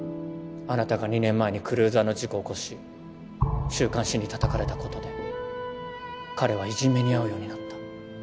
あなたが２年前にクルーザーの事故を起こし週刊誌にたたかれたことで彼はいじめに遭うようになった。